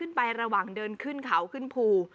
สุดยอดน้ำมันเครื่องจากญี่ปุ่น